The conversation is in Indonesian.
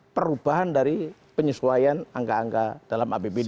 perubahan dari penyesuaian angka angka dalam apbd